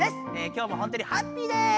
今日もほんとにハッピーです！